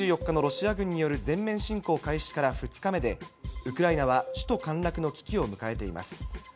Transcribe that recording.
２４日のロシア軍による全面侵攻開始から２日目で、ウクライナは首都陥落の危機を迎えています。